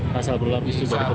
pasal berlapis juga dikenal